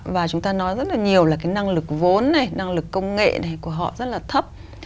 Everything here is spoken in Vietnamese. và chúng ta nói rất là nhiều là cái năng lực vốn này năng lực công nghệ này của họ rất là thấp